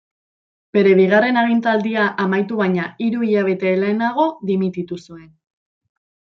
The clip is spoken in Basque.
Bere bigarren agintaldia amaitu baina hiru hilabete lehenago dimititu zuen.